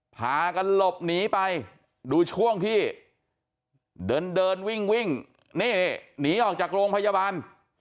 พากันหลบหนีไปดูช่วงที่เดินเดินวิ่งวิ่งนี่หนีออกจากโรงพยาบาล